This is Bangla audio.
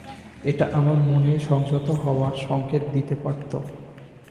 এটা আমার মনে সংযত হওয়ার সংকেত দিতে পারত।